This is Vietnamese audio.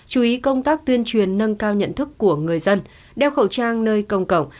chú ý công tác tuyên truyền nâng cao nhận thức của người dân đeo khẩu trang nơi công cộng